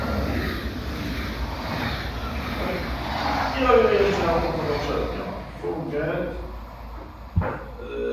Each character can carry a limited amount of items.